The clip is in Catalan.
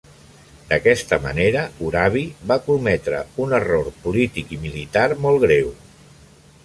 D"aquesta manera, Urabi va cometre un error polític i militar molt greu.